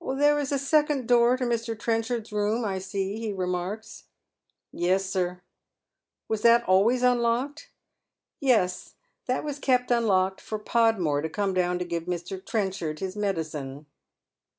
" There is a second door to Mr. Trenchard'a room, I see," h^ *«raark8. "Yes, sir." '* Was that always unlocked ?"" Yes, that was kept unlocked for Podmore to come down to ^ve Mr. Trenchard his medicine."